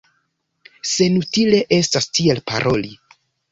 Senutile estas tiel paroli.